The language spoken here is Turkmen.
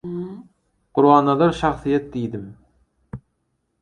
«Gurbannazar şahsyýet» diýdim.